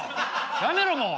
やめろもう。